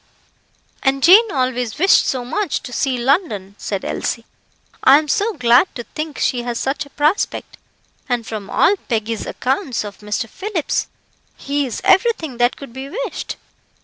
"And Jane always wished so much to see London," said Elsie. "I am so glad to think she has such a prospect, and from all Peggy's accounts of Mr. Phillips, he is everything that could be wished.